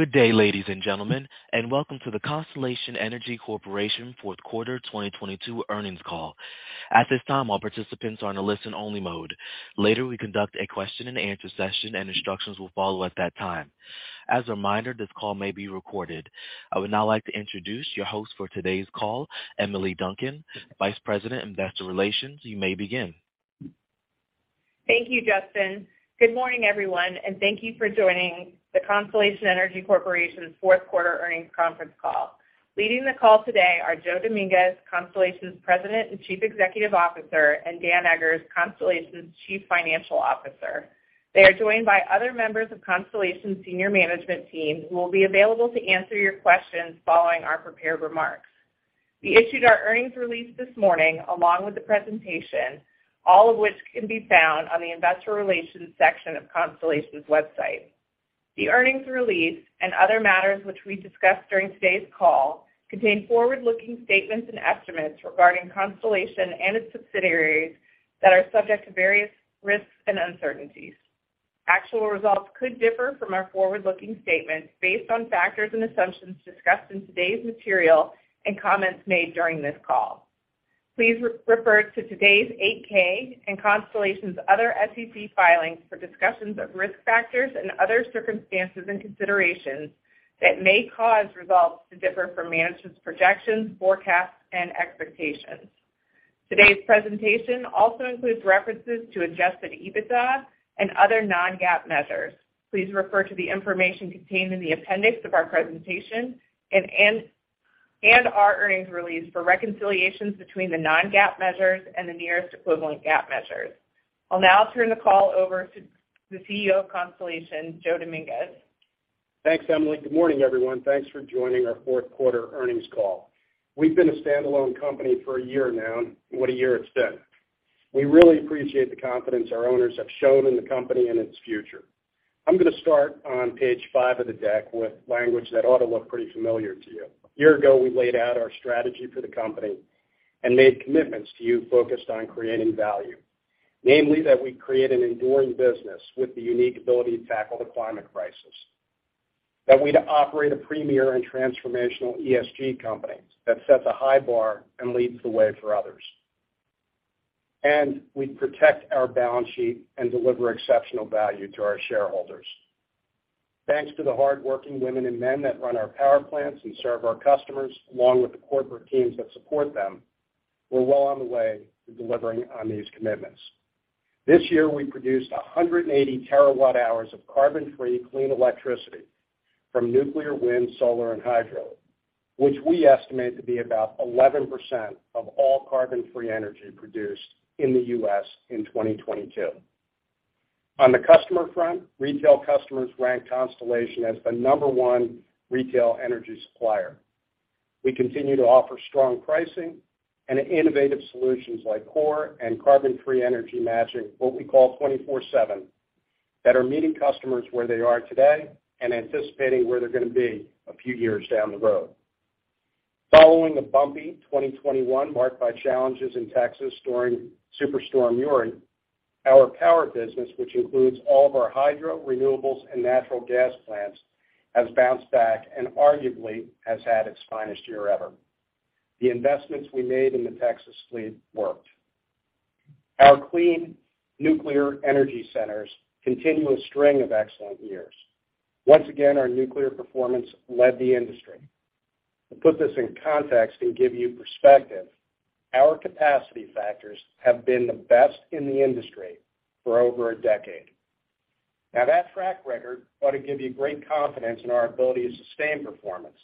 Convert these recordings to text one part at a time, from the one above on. Good day, ladies and gentlemen, and welcome to the Constellation Energy Corporation Fourth Quarter 2022 Earnings Call. At this time, all participants are in a listen-only mode. Later, we conduct a question-and-answer session, and instructions will follow at that time. As a reminder, this call may be recorded. I would now like to introduce your host for today's call, Emily Duncan, Vice President, Investor Relations. You may begin. Thank you, Justin. Good morning, everyone, and thank you for joining the Constellation Energy Corporation's Fourth Quarter Earnings Conference Call. Leading the call today are Joe Dominguez, Constellation's President and Chief Executive Officer, and Dan Eggers, Constellation's Chief Financial Officer. They are joined by other members of Constellation senior management team who will be available to answer your questions following our prepared remarks. We issued our earnings release this morning along with the presentation, all of which can be found on the Investor Relations section of Constellation's website. The earnings release and other matters which we discussed during today's call contain forward-looking statements and estimates regarding Constellation and its subsidiaries that are subject to various risks and uncertainties. Actual results could differ from our forward-looking statements based on factors and assumptions discussed in today's material and comments made during this call. Please refer to today's 8-K and Constellation's other SEC filings for discussions of risk factors and other circumstances and considerations that may cause results to differ from management's projections, forecasts, and expectations. Today's presentation also includes references to Adjusted EBITDA and other non-GAAP measures. Please refer to the information contained in the appendix of our presentation and our earnings release for reconciliations between the non-GAAP measures and the nearest equivalent GAAP measures. I'll now turn the call over to the CEO of Constellation, Joe Dominguez. Thanks, Emily. Good morning, everyone. Thanks for joining our fourth quarter earnings call. We've been a standalone company for a year now, and what a year it's been. We really appreciate the confidence our owners have shown in the company and its future. I'm gonna start on page 5 of the deck with language that ought to look pretty familiar to you. A year ago, we laid out our strategy for the company and made commitments to you focused on creating value, namely that we create an enduring business with the unique ability to tackle the climate crisis, that we'd operate a premier and transformational ESG company that sets a high bar and leads the way for others, and we protect our balance sheet and deliver exceptional value to our shareholders. Thanks to the hardworking women and men that run our power plants and serve our customers, along with the corporate teams that support them, we're well on the way to delivering on these commitments. This year, we produced 180 terawatt-hours of carbon-free clean electricity from nuclear, wind, solar, and hydro, which we estimate to be about 11% of all carbon-free energy produced in the U.S. in 2022. On the customer front, retail customers rank Constellation as the number one retail energy supplier. We continue to offer strong pricing and innovative solutions like CORe and carbon-free energy matching, what we call 24/7, that are meeting customers where they are today and anticipating where they're gonna be a few years down the road. Following a bumpy 2021 marked by challenges in Texas during Winter Storm Uri, our power business, which includes all of our hydro, renewables, and natural gas plants, has bounced back and arguably has had its finest year ever. The investments we made in the Texas fleet worked. Our Clean Energy Centers continue a string of excellent years. Once again, our nuclear performance led the industry. To put this in context and give you perspective, our capacity factors have been the best in the industry for over a decade. That track record ought to give you great confidence in our ability to sustain performance.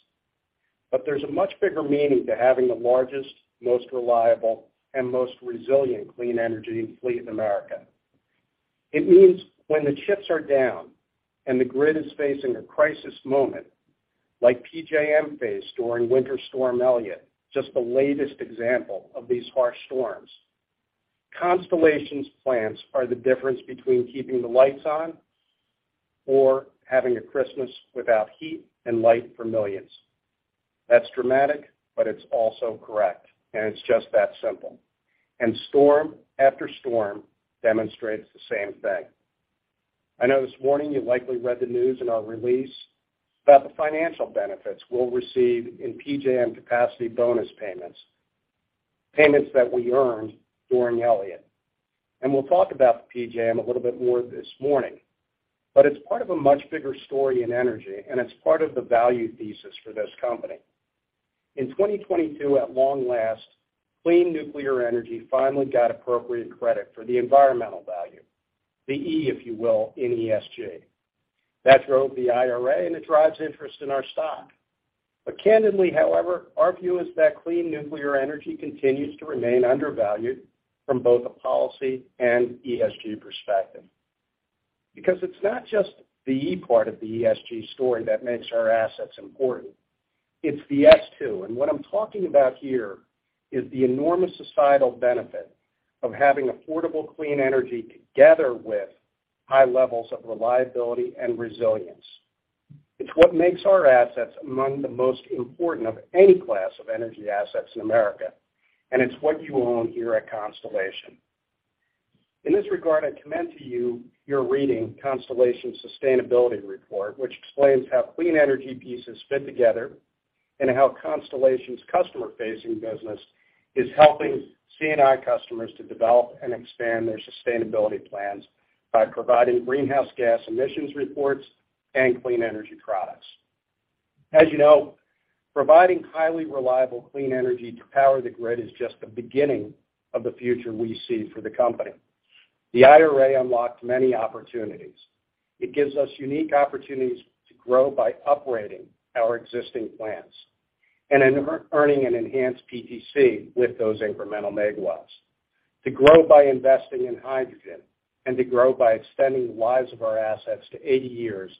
There's a much bigger meaning to having the largest, most reliable, and most resilient clean energy fleet in America. It means when the chips are down and the grid is facing a crisis moment, like PJM faced during Winter Storm Elliott, just the latest example of these harsh storms, Constellation's plants are the difference between keeping the lights on or having a Christmas without heat and light for millions. That's dramatic, but it's also correct, and it's just that simple. Storm after storm demonstrates the same thing. I know this morning you likely read the news in our release about the financial benefits we'll receive in PJM capacity bonus payments that we earned during Elliott. We'll talk about the PJM a little bit more this morning, but it's part of a much bigger story in energy, and it's part of the value thesis for this company. In 2022, at long last, clean nuclear energy finally got appropriate credit for the environmental value, the E, if you will, in ESG. That drove the IRA, and it drives interest in our stock. Candidly, however, our view is that clean nuclear energy continues to remain undervalued from both a policy and ESG perspective because it's not just the E part of the ESG story that makes our assets important, it's the S too. What I'm talking about here is the enormous societal benefit of having affordable clean energy together with high levels of reliability and resilience. It's what makes our assets among the most important of any class of energy assets in America, and it's what you own here at Constellation. In this regard, I commend to you your reading Constellation Sustainability Report, which explains how clean energy pieces fit together and how Constellation's customer-facing business is helping C&I customers to develop and expand their sustainability plans by providing greenhouse gas emissions reports and clean energy products. As you know, providing highly reliable clean energy to power the grid is just the beginning of the future we see for the company. The IRA unlocked many opportunities. It gives us unique opportunities to grow by operating our existing plants and earning an enhanced PTC with those incremental MWs, to grow by investing in hydrogen, and to grow by extending the lives of our assets to 80 years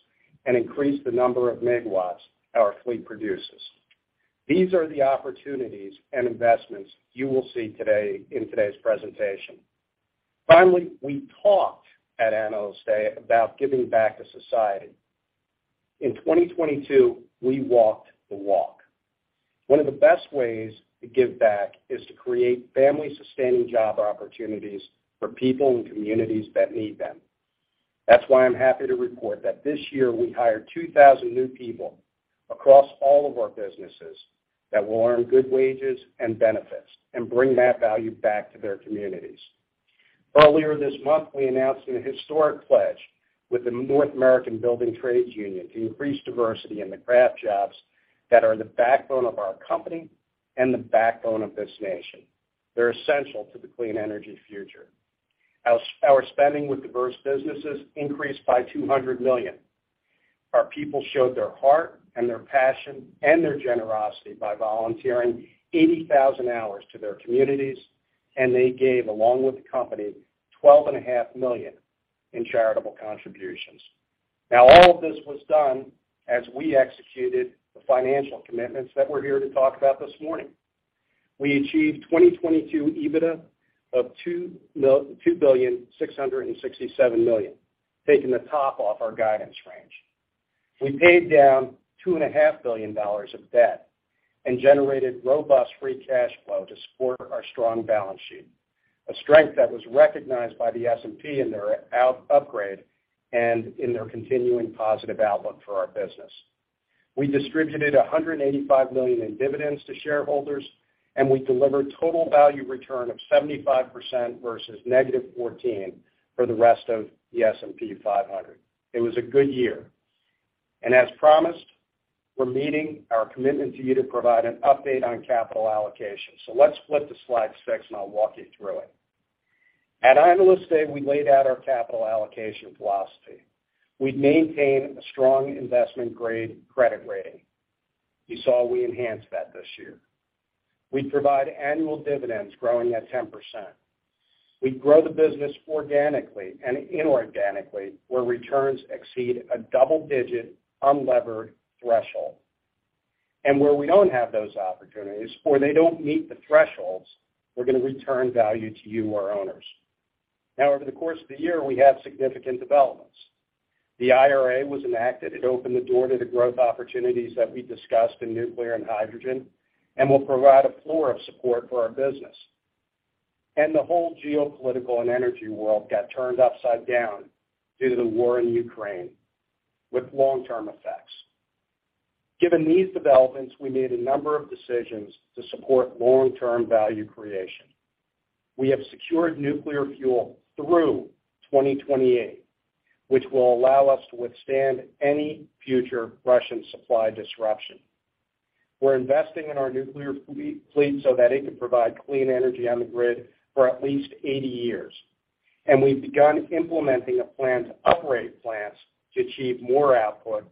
and increase the number of MWs our fleet produces. These are the opportunities and investments you will see today in today's presentation. We talked at Analyst Day about giving back to society. In 2022, we walked the walk. One of the best ways to give back is to create family-sustaining job opportunities for people in communities that need them. That's why I'm happy to report that this year we hired 2,000 new people across all of our businesses that will earn good wages and benefits and bring that value back to their communities. Earlier this month, we announced a historic pledge with North America's Building Trades Unions to increase diversity in the craft jobs that are the backbone of our company and the backbone of this nation. They're essential to the clean energy future. Our spending with diverse businesses increased by $200 million. Our people showed their heart and their passion and their generosity by volunteering 80,000 hours to their communities. They gave, along with the company, twelve and a half million in charitable contributions. All of this was done as we executed the financial commitments that we're here to talk about this morning. We achieved 2022 EBITDA of $2.667 billion, taking the top off our guidance range. We paid down two and a half billion dollars of debt and generated robust free cash flow to support our strong balance sheet, a strength that was recognized by the S&P in their upgrade and in their continuing positive outlook for our business. We distributed $185 million in dividends to shareholders, we delivered total value return of 75% versus -14% for the rest of the S&P 500. It was a good year. As promised, we're meeting our commitment to you to provide an update on capital allocation. Let's flip to slide six and I'll walk you through it. At Analyst Day, we laid out our capital allocation philosophy. We'd maintain a strong investment-grade credit rating. You saw we enhanced that this year. We'd provide annual dividends growing at 10%. We'd grow the business organically and inorganically where returns exceed a double-digit unlevered threshold. Where we don't have those opportunities or they don't meet the thresholds, we're gonna return value to you, our owners. Over the course of the year, we had significant developments. The IRA was enacted. It opened the door to the growth opportunities that we discussed in nuclear and hydrogen and will provide a floor of support for our business. The whole geopolitical and energy world got turned upside down due to the war in Ukraine with long-term effects. Given these developments, we made a number of decisions to support long-term value creation. We have secured nuclear fuel through 2028, which will allow us to withstand any future Russian supply disruption. We're investing in our nuclear fleet so that it can provide clean energy on the grid for at least 80 years, and we've begun implementing a plan to operate plants to achieve more output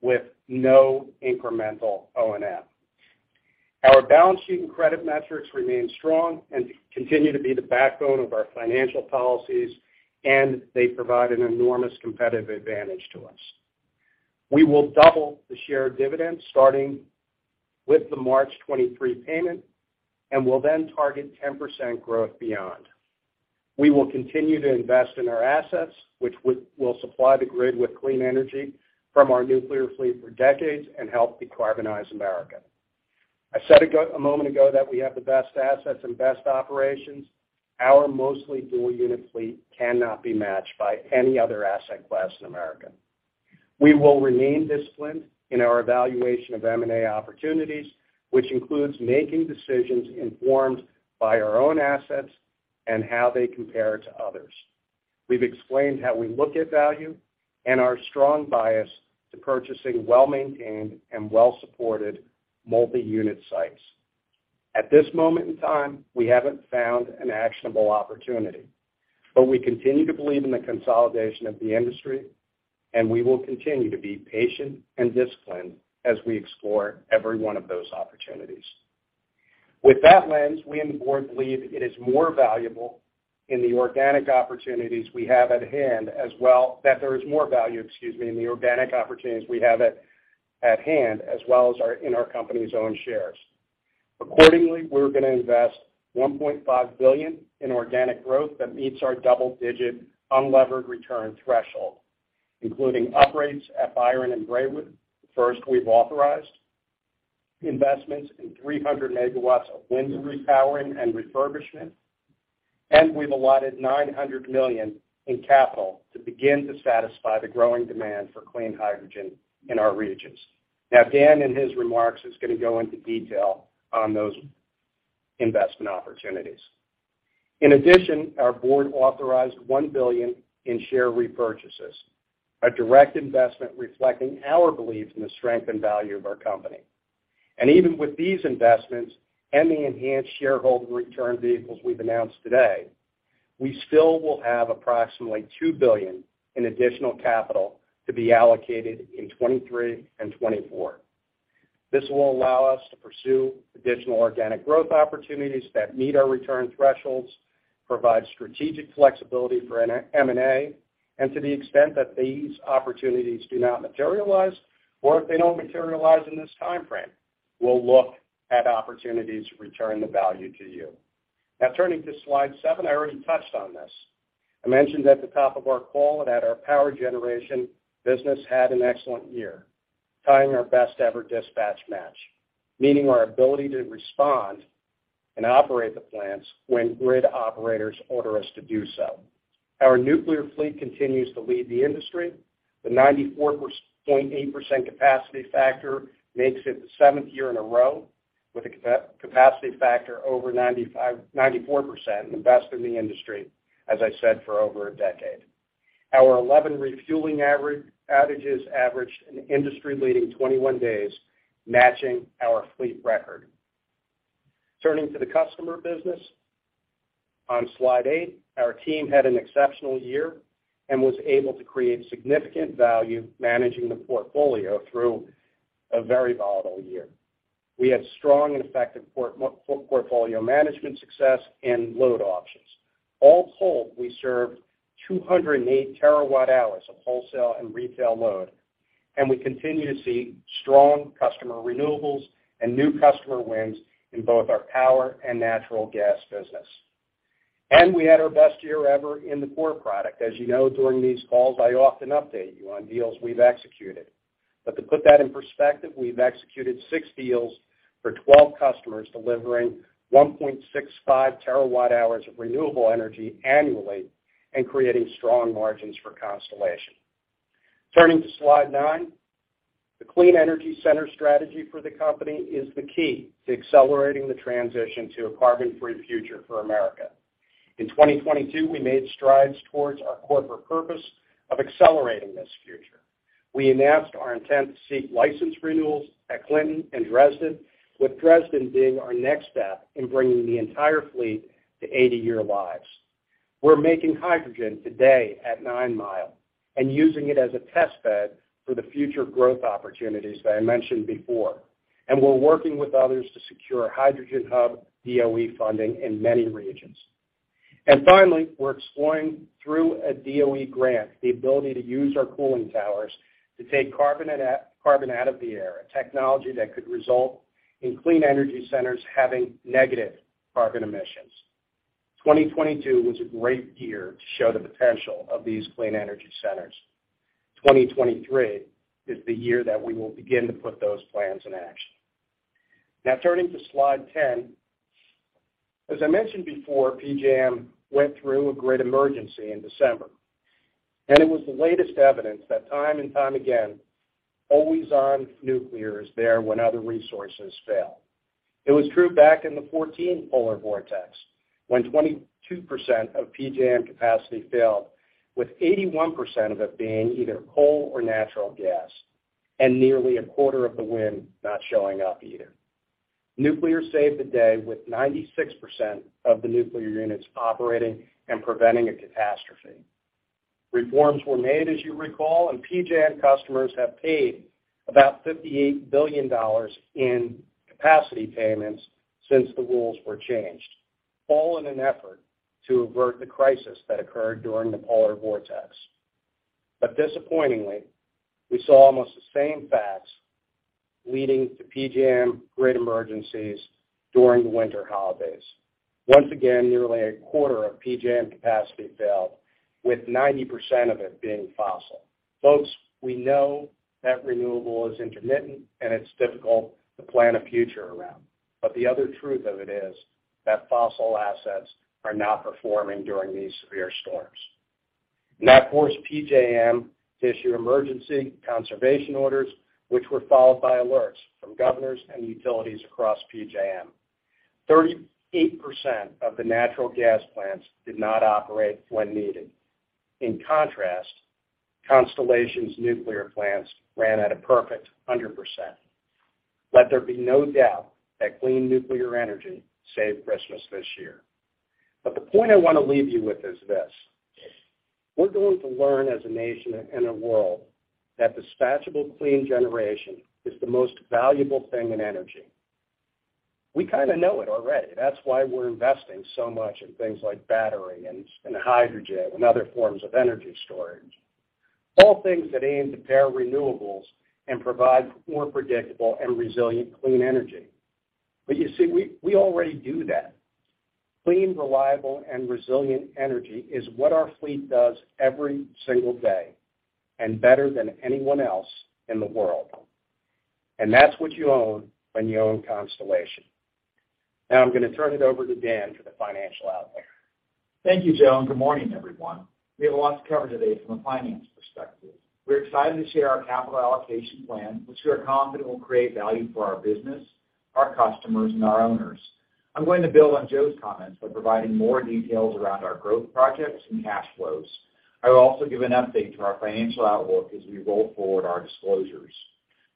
with no incremental O&M. Our balance sheet and credit metrics remain strong and continue to be the backbone of our financial policies, and they provide an enormous competitive advantage to us. We will double the share of dividends starting with the March 23 payment and will then target 10% growth beyond. We will continue to invest in our assets, which will supply the grid with clean energy from our nuclear fleet for decades and help decarbonize America. I said a moment ago that we have the best assets and best operations. Our mostly dual-unit fleet cannot be matched by any other asset class in America. We will remain disciplined in our evaluation of M&A opportunities, which includes making decisions informed by our own assets and how they compare to others. We've explained how we look at value and our strong bias to purchasing well-maintained and well-supported multi-unit sites. At this moment in time, we haven't found an actionable opportunity, but we continue to believe in the consolidation of the industry, and we will continue to be patient and disciplined as we explore every one of those opportunities. With that lens, we and the board believe it is more valuable, excuse me, in the organic opportunities we have at hand as well as in our company's own shares. Accordingly, we're gonna invest $1.5 billion in organic growth that meets our double-digit unlevered return threshold, including upgrades at Byron and Braidwood, the first we've authorized. Investments in 300 MWs of wind repowering and refurbishment, and we've allotted $900 million in capital to begin to satisfy the growing demand for clean hydrogen in our regions. Now, Dan, in his remarks, is gonna go into detail on those investment opportunities. In addition, our board authorized $1 billion in share repurchases, a direct investment reflecting our belief in the strength and value of our company. Even with these investments and the enhanced shareholder return vehicles we've announced today, we still will have approximately $2 billion in additional capital to be allocated in 2023 and 2024. This will allow us to pursue additional organic growth opportunities that meet our return thresholds, provide strategic flexibility for an M&A. To the extent that these opportunities do not materialize, or if they don't materialize in this timeframe, we'll look at opportunities to return the value to you. Now, turning to slide seven, I already touched on this. I mentioned at the top of our call that our power generation business had an excellent year, tying our best-ever dispatch match, meaning our ability to respond and operate the plants when grid operators order us to do so. Our nuclear fleet continues to lead the industry. The 94.8% capacity factor makes it the 7th year in a row with a capacity factor over 94% and the best in the industry, as I said, for over a decade. Our 11 refueling outages averaged an industry-leading 21 days, matching our fleet record. Turning to the customer business on slide eight, our team had an exceptional year and was able to create significant value managing the portfolio through a very volatile year. We had strong and effective portfolio management success and load options. All told, we served 208 terawatt hours of wholesale and retail load. We continue to see strong customer renewables and new customer wins in both our power and natural gas business. We had our best year ever in the CORe product. As you know, during these calls, I often update you on deals we've executed. To put that in perspective, we've executed 6 deals for 12 customers, delivering 1.65 terawatt-hours of renewable energy annually and creating strong margins for Constellation. Turning to slide nine, the Clean Energy Center strategy for the company is the key to accelerating the transition to a carbon-free future for America. In 2022, we made strides towards our corporate purpose of accelerating this future. We announced our intent to seek license renewals at Clinton and Dresden, with Dresden being our next step in bringing the entire fleet to 80-year lives. We're making hydrogen today at Nine Mile and using it as a test bed for the future growth opportunities that I mentioned before. We're working with others to secure Hydrogen Hub DOE funding in many regions. Finally, we're exploring through a DOE grant the ability to use our cooling towers to take carbon out of the air, a technology that could result in Clean Energy Centers having negative carbon emissions. 2022 was a great year to show the potential of these Clean Energy Centers. 2023 is the year that we will begin to put those plans in action. Now, turning to slide 10. As I mentioned before, PJM went through a grid emergency in December, and it was the latest evidence that time and time again, always-on nuclear is there when other resources fail. It was true back in the 2014 polar vortex, when 22% of PJM capacity failed, with 81% of it being either coal or natural gas, and nearly a quarter of the wind not showing up either. Nuclear saved the day with 96% of the nuclear units operating and preventing a catastrophe. Reforms were made, as you recall, and PJM customers have paid about $58 billion in capacity payments since the rules were changed, all in an effort to avert the crisis that occurred during the polar vortex. Disappointingly, we saw almost the same facts leading to PJM grid emergencies during the winter holidays. Once again, nearly a quarter of PJM capacity failed, with 90% of it being fossil. Folks, we know that renewable is intermittent, and it's difficult to plan a future around. The other truth of it is that fossil assets are not performing during these severe storms. That forced PJM to issue emergency conservation orders, which were followed by alerts from governors and utilities across PJM. 38% of the natural gas plants did not operate when needed. In contrast, Constellation's nuclear plants ran at a perfect 100%. Let there be no doubt that clean nuclear energy saved Christmas this year. The point I wanna leave you with is this: We're going to learn as a nation and a world that dispatchable clean generation is the most valuable thing in energy. We kinda know it already. That's why we're investing so much in things like battery and hydrogen and other forms of energy storage. All things that aim to pair renewables and provide more predictable and resilient clean energy. You see, we already do that. Clean, reliable, and resilient energy is what our fleet does every single day, and better than anyone else in the world. That's what you own when you own Constellation. Now I'm gonna turn it over to Dan for the financial outlook. Thank you, Joe. Good morning, everyone. We have a lot to cover today from a finance perspective. We're excited to share our capital allocation plan, which we are confident will create value for our business, our customers, and our owners. I'm going to build on Joe's comments by providing more details around our growth projects and cash flows. I will also give an update to our financial outlook as we roll forward our disclosures.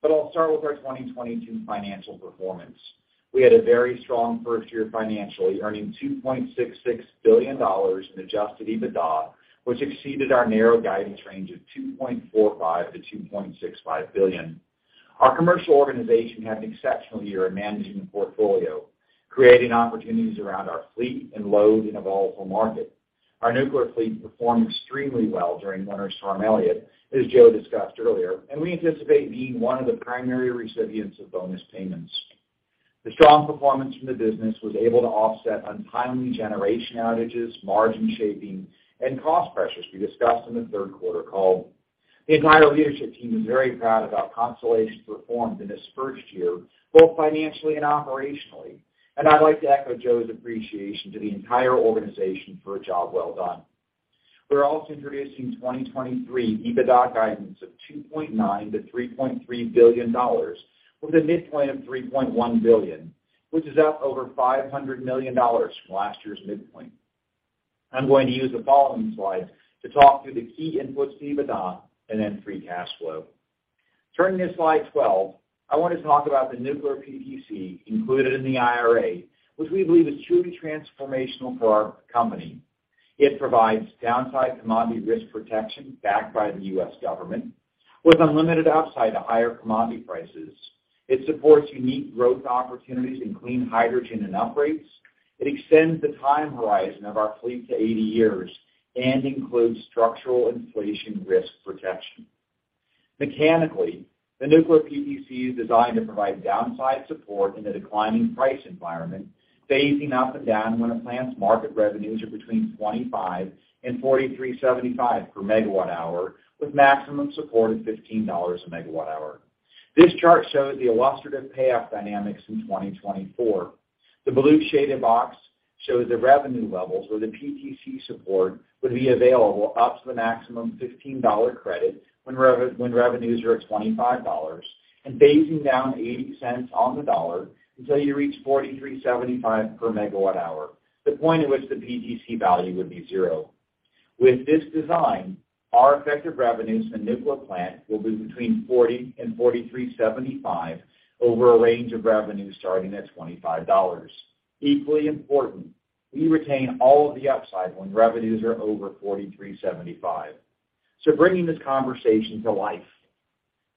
I'll start with our 2022 financial performance. We had a very strong first year financially, earning $2.66 billion in Adjusted EBITDA, which exceeded our narrow guidance range of $2.45 billion-$2.65 billion. Our commercial organization had an exceptional year in managing the portfolio, creating opportunities around our fleet and load in a volatile market. Our nuclear fleet performed extremely well during Winter Storm Elliott, as Joe discussed earlier. We anticipate being one of the primary recipients of bonus payments. The strong performance from the business was able to offset untimely generation outages, margin shaping, and cost pressures we discussed in the third quarter call. The entire leadership team is very proud of how Constellation performed in this first year, both financially and operationally. I'd like to echo Joe's appreciation to the entire organization for a job well done. We're also introducing 2023 EBITDA guidance of $2.9 billion-$3.3 billion with a midpoint of $3.1 billion, which is up over $500 million from last year's midpoint. I'm going to use the following slides to talk through the key inputs to EBITDA and then free cash flow. Turning to slide 12, I want to talk about the nuclear PTC included in the IRA, which we believe is truly transformational for our company. It provides downside commodity risk protection backed by the U.S. government with unlimited upside to higher commodity prices. It supports unique growth opportunities in clean hydrogen and uprates. It extends the time horizon of our fleet to 80 years and includes structural inflation risk protection. Mechanically, the nuclear PTC is designed to provide downside support in a declining price environment, phasing up and down when a plant's market revenues are between $25 and $43.75 per megawatt hour, with maximum support of $15 a megawatt hour. This chart shows the illustrative payoff dynamics in 2024. The blue shaded box shows the revenue levels where the PTC support would be available up to the maximum $15 credit when revenues are at $25, and phasing down $0.80 on the dollar until you reach $43.75 per megawatt hour, the point at which the PTC value would be zero. With this design, our effective revenues for the nuclear plant will be between $40 and $43.75 over a range of revenues starting at $25. Equally important, we retain all of the upside when revenues are over $43.75. Bringing this conversation to life,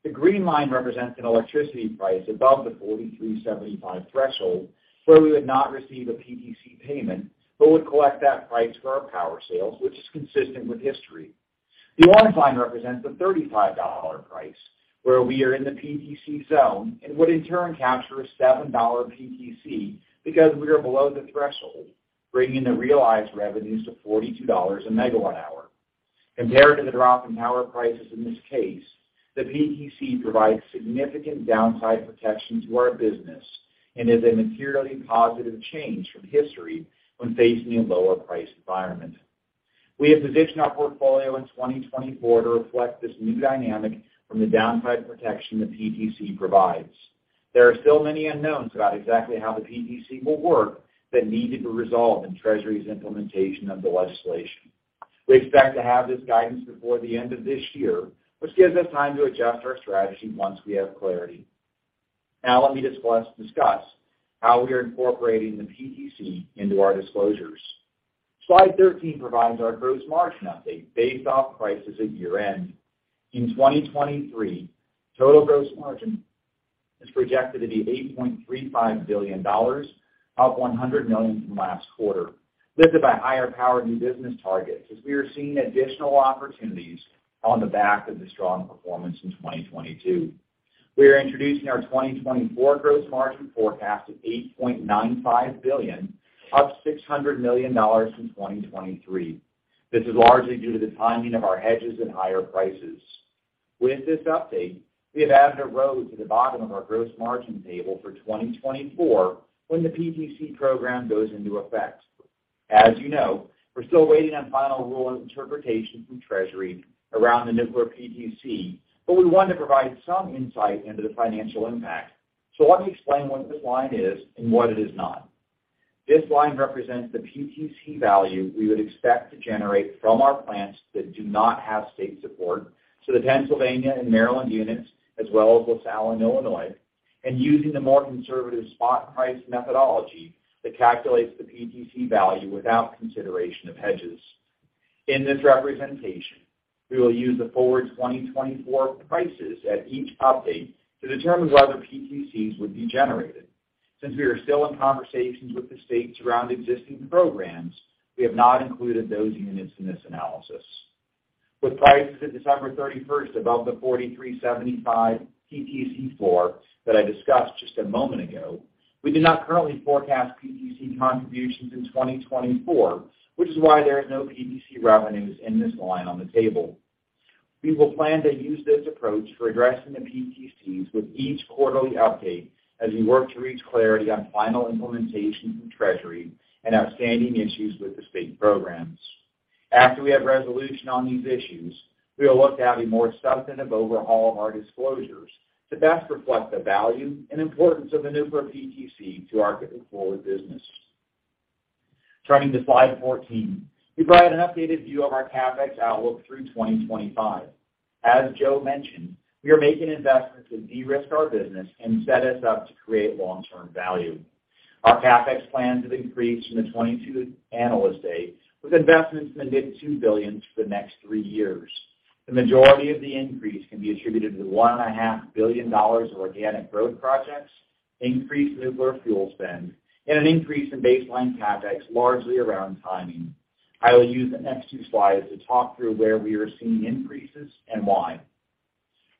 the green line represents an electricity price above the $43.75 threshold where we would not receive a PTC payment but would collect that price for our power sales, which is consistent with history. The orange line represents the $35 price, where we are in the PTC zone and would in turn capture a $7 PTC because we are below the threshold, bringing the realized revenues to $42 a megawatt hour. Compared to the drop in power prices in this case, the PTC provides significant downside protection to our business and is a materially positive change from history when facing a lower price environment. We have positioned our portfolio in 2024 to reflect this new dynamic from the downside protection the PTC provides. There are still many unknowns about exactly how the PTC will work that needed to resolve in Treasury's implementation of the legislation. We expect to have this guidance before the end of this year, which gives us time to adjust our strategy once we have clarity. Let me discuss how we are incorporating the PTC into our disclosures. Slide 13 provides our gross margin update based off prices at year-end. In 2023, total gross margin is projected to be $8.35 billion, up $100 million from last quarter, lifted by higher power new business targets as we are seeing additional opportunities on the back of the strong performance in 2022. We are introducing our 2024 gross margin forecast of $8.95 billion, up $600 million from 2023. This is largely due to the timing of our hedges and higher prices. With this update, we have added a row to the bottom of our gross margin table for 2024 when the PTC program goes into effect. As you know, we're still waiting on final rule interpretation from Treasury around the nuclear PTC, but we want to provide some insight into the financial impact. Let me explain what this line is and what it is not. This line represents the PTC value we would expect to generate from our plants that do not have state support, so the Pennsylvania and Maryland units, as well as LaSalle and Illinois, and using the more conservative spot price methodology that calculates the PTC value without consideration of hedges. In this representation, we will use the forward 2024 prices at each update to determine whether PTCs would be generated. Since we are still in conversations with the states around existing programs, we have not included those units in this analysis. With prices at December 31st above the $43.75 PTC floor that I discussed just a moment ago, we do not currently forecast PTC contributions in 2024, which is why there is no PTC revenues in this line on the table. We will plan to use this approach for addressing the PTCs with each quarterly update as we work to reach clarity on final implementation from Treasury and outstanding issues with the state programs. After we have resolution on these issues, we will look to have a more substantive overhaul of our disclosures to best reflect the value and importance of the nuclear PTC to our forward business. Turning to slide 14, we provide an updated view of our CapEx outlook through 2025. As Joe mentioned, we are making investments to de-risk our business and set us up to create long-term value. Our CapEx plans have increased from the 2022 Analyst Day, with investments committed $2 billion for the next 3 years. The majority of the increase can be attributed to $1.5 billion of organic growth projects, increased nuclear fuel spend, and an increase in baseline CapEx largely around timing. I will use the next two slides to talk through where we are seeing increases and why.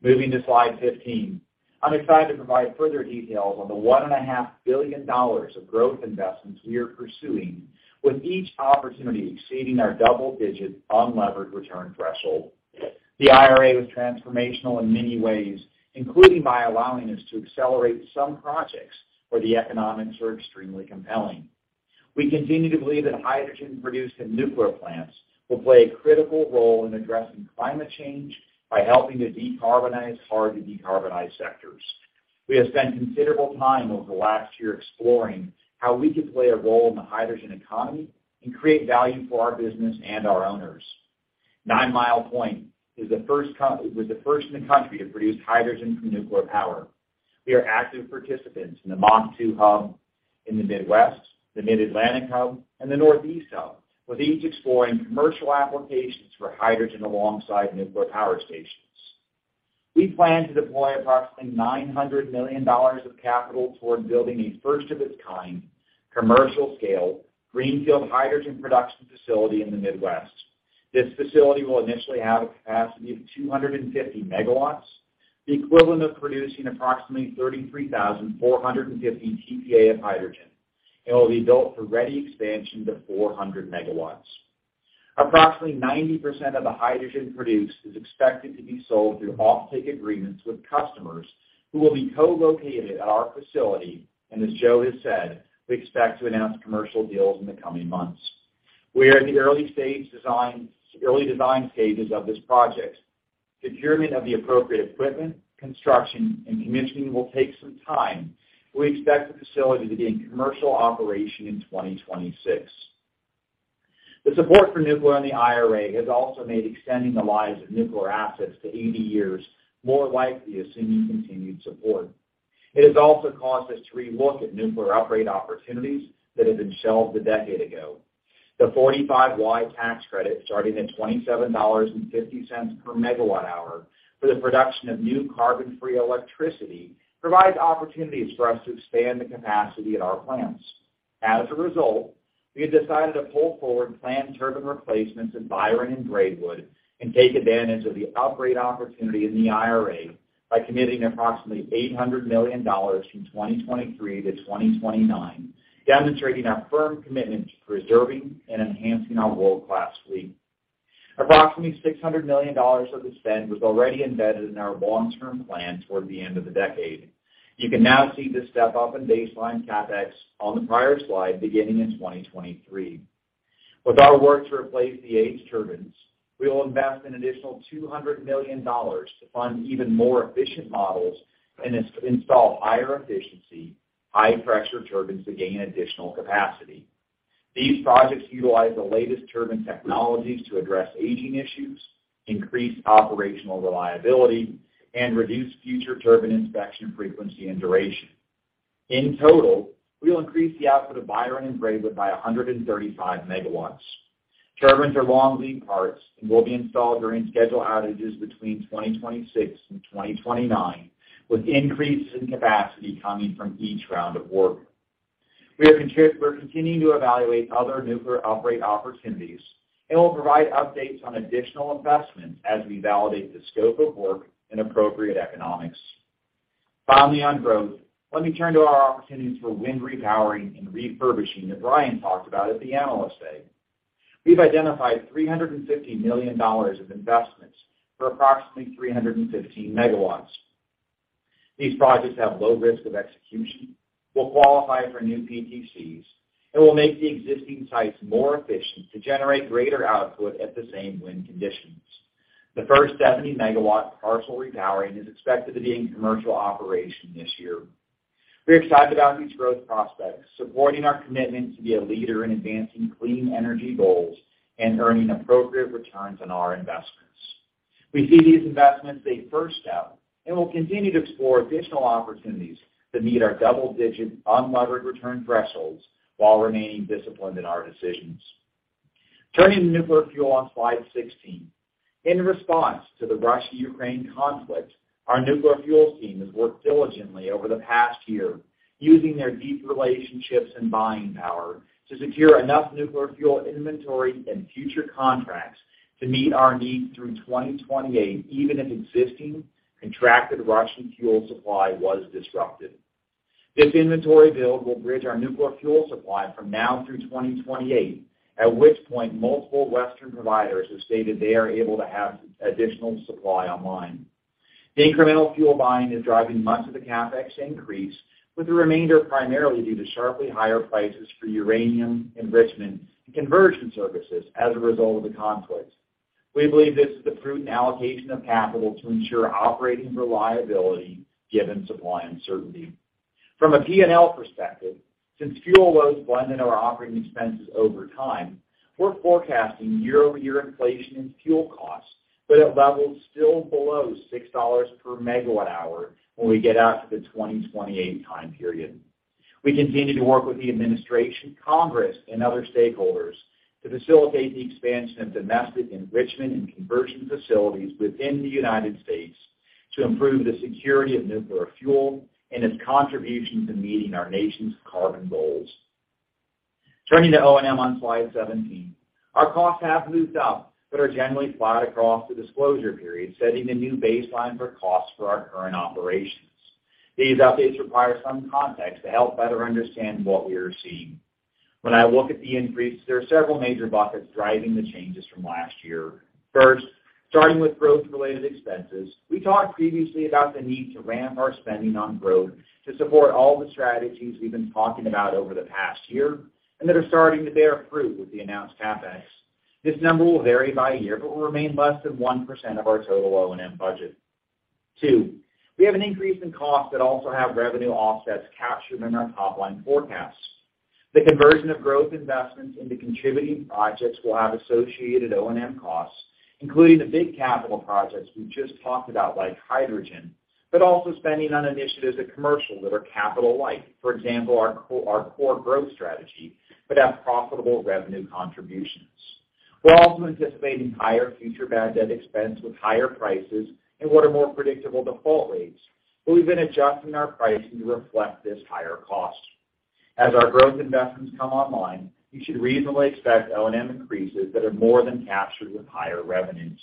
Moving to slide 15, I'm excited to provide further details on the $1.5 billion of growth investments we are pursuing, with each opportunity exceeding our double-digit unlevered return threshold. The IRA was transformational in many ways, including by allowing us to accelerate some projects where the economics are extremely compelling. We continue to believe that hydrogen produced in nuclear plants will play a critical role in addressing climate change by helping to decarbonize hard-to-decarbonize sectors. We have spent considerable time over the last year exploring how we could play a role in the hydrogen economy and create value for our business and our owners. Nine Mile Point was the first in the country to produce hydrogen from nuclear power. We are active participants in the MachH2 Hub in the Midwest, the Mid-Atlantic Hub, and the Northeast Hub, with each exploring commercial applications for hydrogen alongside nuclear power stations. We plan to deploy approximately $900 million of capital toward building a first of its kind commercial scale greenfield hydrogen production facility in the Midwest. This facility will initially have a capacity of 250 MWs, the equivalent of producing approximately 33,450 TPA of hydrogen, and will be built for ready expansion to 400 MWs. As Joe has said, we expect to announce commercial deals in the coming months. We are in the early design stages of this project. Procurement of the appropriate equipment, construction, and commissioning will take some time, but we expect the facility to be in commercial operation in 2026. The support for nuclear in the IRA has also made extending the lives of nuclear assets to 80 years more likely, assuming continued support. It has also caused us to re-look at nuclear upgrade opportunities that had been shelved a decade ago. The 45Y tax credit, starting at $27.50 per megawatt hour for the production of new carbon-free electricity, provides opportunities for us to expand the capacity at our plants. As a result, we have decided to pull forward planned turbine replacements in Byron and Braidwood and take advantage of the upgrade opportunity in the IRA by committing approximately $800 million from 2023 to 2029, demonstrating our firm commitment to preserving and enhancing our world-class fleet. Approximately $600 million of the spend was already embedded in our long-term plan toward the end of the decade. You can now see this step-up in baseline CapEx on the prior slide beginning in 2023. With our work to replace the aged turbines, we will invest an additional $200 million to fund even more efficient models and install higher efficiency, high pressure turbines to gain additional capacity. These projects utilize the latest turbine technologies to address aging issues, increase operational reliability, and reduce future turbine inspection frequency and duration. In total, we will increase the output of Byron and Braidwood by 135 MWs. Turbines are long lead parts and will be installed during scheduled outages between 2026 and 2029, with increases in capacity coming from each round of work. We're continuing to evaluate other nuclear upgrade opportunities, and we'll provide updates on additional investments as we validate the scope of work and appropriate economics. On growth, let me turn to our opportunities for wind repowering and refurbishing that Brian talked about at the Analyst Day. We've identified $350 million of investments for approximately 315 MWs. These projects have low risk of execution, will qualify for new PTCs, and will make the existing sites more efficient to generate greater output at the same wind conditions. The first 70 megawatt parcel repowering is expected to be in commercial operation this year. We're excited about these growth prospects, supporting our commitment to be a leader in advancing clean energy goals and earning appropriate returns on our investments. We see these investments as a first step. We'll continue to explore additional opportunities that meet our double-digit unlevered return thresholds while remaining disciplined in our decisions. Turning to nuclear fuel on slide 16. In response to the Russia-Ukraine conflict, our nuclear fuel team has worked diligently over the past year using their deep relationships and buying power to secure enough nuclear fuel inventory and future contracts to meet our needs through 2028, even if existing contracted Russian fuel supply was disrupted. This inventory build will bridge our nuclear fuel supply from now through 2028, at which point multiple Western providers have stated they are able to have additional supply online. The incremental fuel buying is driving much of the CapEx increase, with the remainder primarily due to sharply higher prices for uranium enrichment and conversion services as a result of the conflict. We believe this is the prudent allocation of capital to ensure operating reliability given supply uncertainty. From a P&L perspective, since fuel loads blend into our operating expenses over time, we're forecasting year-over-year inflation in fuel costs, at levels still below $6 per megawatt hour when we get out to the 2028 time period. We continue to work with the administration, Congress, and other stakeholders to facilitate the expansion of domestic enrichment and conversion facilities within the United States to improve the security of nuclear fuel and its contribution to meeting our nation's carbon goals. Turning to O&M on slide 17. Our costs have moved up, are generally flat across the disclosure period, setting a new baseline for costs for our current operations. These updates require some context to help better understand what we are seeing. When I look at the increase, there are several major buckets driving the changes from last year. Starting with growth-related expenses, we talked previously about the need to ramp our spending on growth to support all the strategies we've been talking about over the past year, that are starting to bear fruit with the announced CapEx. This number will vary by year, will remain less than 1% of our total O&M budget. Two, we have an increase in costs that also have revenue offsets captured in our top-line forecasts. The conversion of growth investments into contributing projects will have associated O&M costs, including the big capital projects we just talked about, like hydrogen, also spending on initiatives at commercial that are capital-like. For example, our core growth strategy, have profitable revenue contributions. We're also anticipating higher future bad debt expense with higher prices and what are more predictable default rates, but we've been adjusting our pricing to reflect this higher cost. As our growth investments come online, you should reasonably expect O&M increases that are more than captured with higher revenues.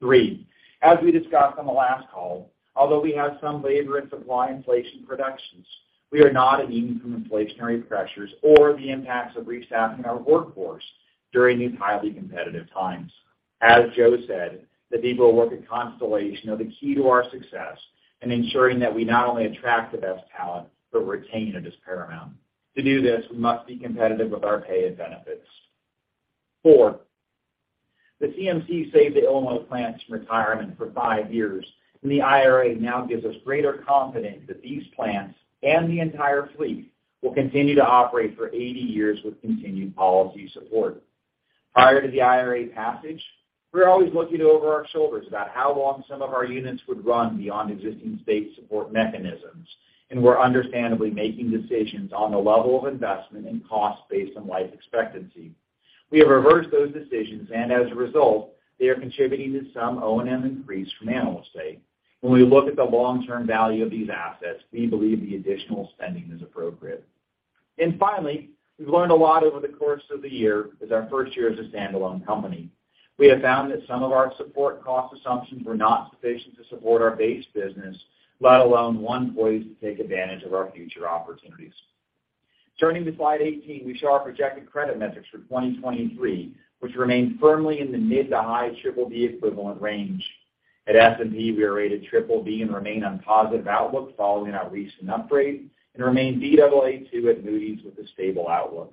3, as we discussed on the last call, although we have some labor and supply inflation reductions, we are not immune from inflationary pressures or the impacts of restaffing our workforce during these highly competitive times. As Joe said, the people who work at Constellation are the key to our success in ensuring that we not only attract the best talent, but retain it is paramount. To do this, we must be competitive with our pay and benefits. Four, the CMC saved the Illinois plants from retirement for five years, and the IRA now gives us greater confidence that these plants and the entire fleet will continue to operate for 80 years with continued policy support. Prior to the IRA passage, we were always looking over our shoulders about how long some of our units would run beyond existing state support mechanisms, and were understandably making decisions on the level of investment and cost based on life expectancy. We have reversed those decisions, and as a result, they are contributing to some O&M increase from annual state. When we look at the long-term value of these assets, we believe the additional spending is appropriate. Finally, we've learned a lot over the course of the year as our first year as a standalone company. We have found that some of our support cost assumptions were not sufficient to support our base business, let alone one poised to take advantage of our future opportunities. Turning to slide 18, we show our projected credit metrics for 2023, which remain firmly in the mid to high BBB equivalent range. At S&P, we are rated BBB and remain on positive outlook following our recent upgrade and remain Baa2 at Moody's with a stable outlook.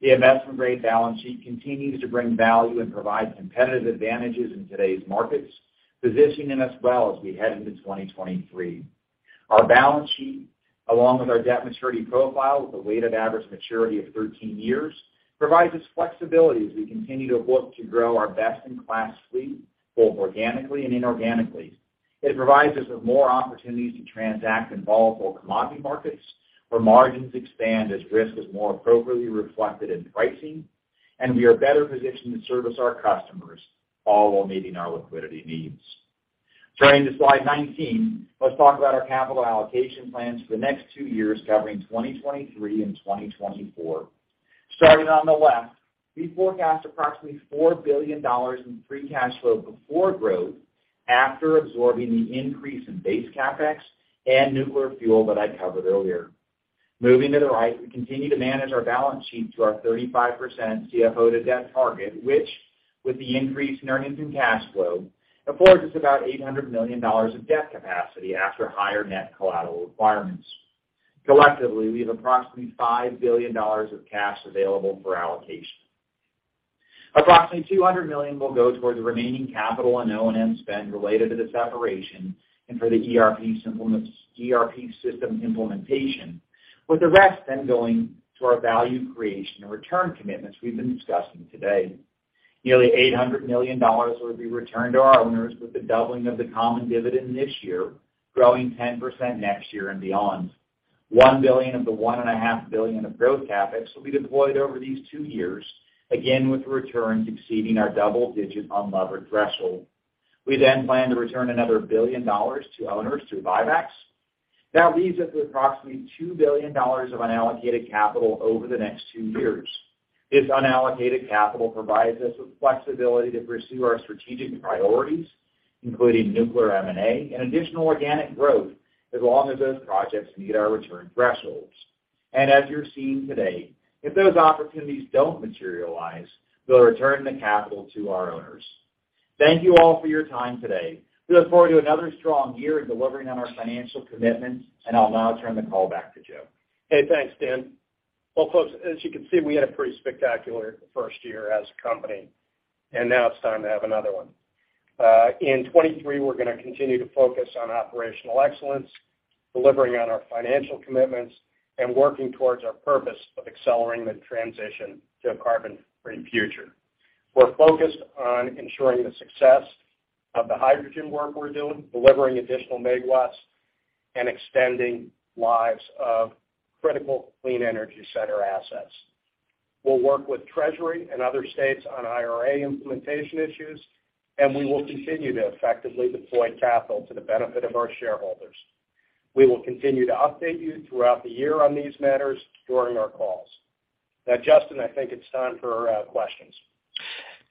The investment-grade balance sheet continues to bring value and provide competitive advantages in today's markets, positioning us well as we head into 2023. Our balance sheet, along with our debt maturity profile with a weighted average maturity of 13 years, provides us flexibility as we continue to look to grow our best-in-class fleet, both organically and inorganically. It provides us with more opportunities to transact in volatile commodity markets where margins expand as risk is more appropriately reflected in pricing, and we are better positioned to service our customers, all while meeting our liquidity needs. Turning to slide 19, let's talk about our capital allocation plans for the next two years, covering 2023 and 2024. Starting on the left, we forecast approximately $4 billion in free cash flow before growth after absorbing the increase in base CapEx and nuclear fuel that I covered earlier. Moving to the right, we continue to manage our balance sheet to our 35% CFO to Debt target, which with the increase in earnings and cash flow, affords us about $800 million of debt capacity after higher net collateral requirements. Collectively, we have approximately $5 billion of cash available for allocation. Approximately $200 million will go toward the remaining capital and O&M spend related to the separation and for the ERP system implementation, with the rest going to our value creation and return commitments we've been discussing today. Nearly $800 million will be returned to our owners with the doubling of the common dividend this year, growing 10% next year and beyond. $1 billion of the $1.5 billion of growth CapEx will be deployed over these two years, again, with returns exceeding our double-digit unlevered threshold. We plan to return another $1 billion to owners through buybacks. That leaves us with approximately $2 billion of unallocated capital over the next two years. This unallocated capital provides us with flexibility to pursue our strategic priorities, including nuclear M&A and additional organic growth, as long as those projects meet our return thresholds. As you're seeing today, if those opportunities don't materialize, we'll return the capital to our owners. Thank you all for your time today. We look forward to another strong year in delivering on our financial commitments. I'll now turn the call back to Joe. Hey, thanks, Dan. Well, folks, as you can see, we had a pretty spectacular first year as a company, and now it's time to have another one. In 23, we're gonna continue to focus on operational excellence, delivering on our financial commitments, and working towards our purpose of accelerating the transition to a carbon-free future. We're focused on ensuring the success of the hydrogen work we're doing, delivering additional MWs, and extending lives of critical Clean Energy Center assets. We'll work with Treasury and other states on IRA implementation issues. We will continue to effectively deploy capital to the benefit of our shareholders. We will continue to update you throughout the year on these matters during our calls. Justin, I think it's time for questions.